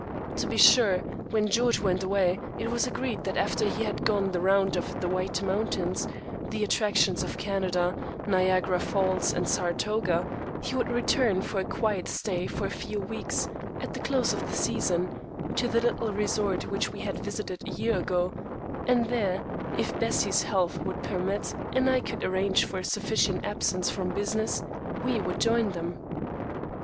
To be sure, when George went away, it was agreed that after he had gone the round of the White Mountains, the attractions of Canada, Niagara Falls, and Saratoga, he would return for a quiet stay of a few weeks, at the close of the season, to the little resort which we had visited a year ago, and there, if Bessie's health would permit, and I could arrange for a sufficient absence from business, we would join them.